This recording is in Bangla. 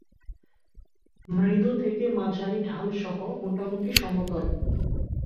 মৃদু থেকে মাঝারি ঢাল সহ মোটামুটি সমতল।